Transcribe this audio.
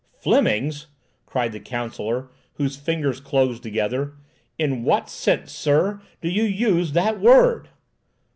"Flemings!" cried the counsellor, whose fingers closed together. "In what sense, sir, do you use that word?"